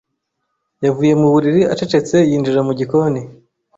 yavuye mu buriri acecetse yinjira mu gikoni.